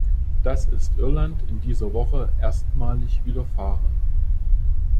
Das ist Irland in dieser Woche erstmalig widerfahren.